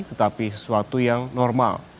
tetapi sesuatu yang normal